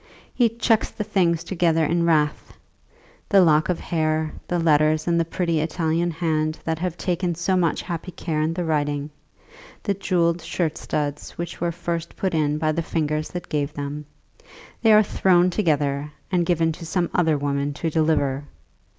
He chucks the things together in wrath, the lock of hair, the letters in the pretty Italian hand that have taken so much happy care in the writing, the jewelled shirt studs, which were first put in by the fingers that gave them. They are thrown together, and given to some other woman to deliver.